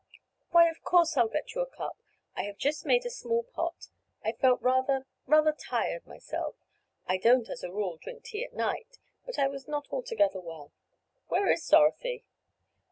"Why of course I'll get you a cup. I have just made a small pot—I felt rather—rather tired myself. I don't, as a rule, drink tea at night, but I was not altogether well. Where is Dorothy?"